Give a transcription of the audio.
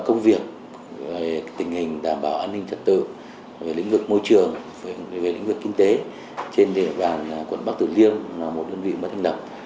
công việc về tình hình đảm bảo an ninh trật tự về lĩnh vực môi trường về lĩnh vực kinh tế trên địa vàng quận bắc tử liêm là một đơn vị mất hình đặc